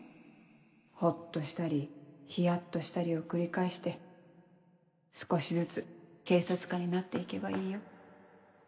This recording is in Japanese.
ホッとしたりヒヤっとしたりを繰り返して少しずつ警察官になって行けばいいよ